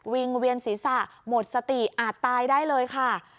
งเวียนศีรษะหมดสติอาจตายได้เลยค่ะ